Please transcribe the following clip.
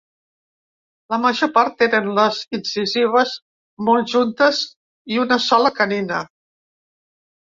La major part tenen les incisives molt juntes i una sola canina.